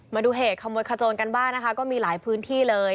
มาดูเหตุขโมยขโจนกันบ้างนะคะก็มีหลายพื้นที่เลย